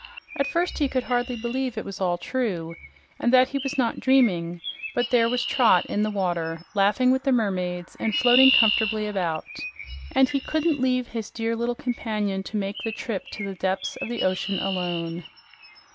At first he could hardly believe it was all true and that he was not dreaming; but there was Trot in the water, laughing with the mermaids and floating comfortably about, and he couldn't leave his dear little companion to make the trip to the depths of the ocean alone.